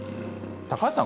高橋さん